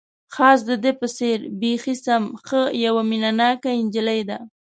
خاص د دې په څېر، بیخي سم، څه یوه مینه ناکه انجلۍ ده.